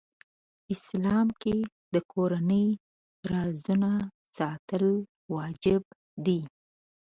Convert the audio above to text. اسلام کې د کورنۍ رازونه ساتل واجب دي .